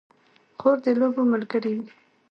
خور د لوبو ملګرې وي.